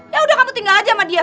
ya udah kamu tinggal aja menurut ibu